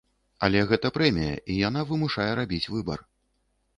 Але гэта прэмія, і яна вымушае рабіць выбар.